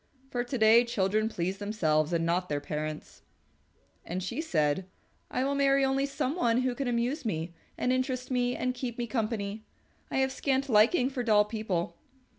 For to day children please themselves and not their parents." And she said, "I will marry only some one who can amuse me and interest me and keep me company. I have scant liking for dull people."